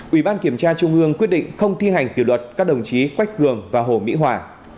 ủy ban kiểm tra trung ương quyết định không thi hành kỷ luật các đồng chí quách cường và hồ mỹ hòa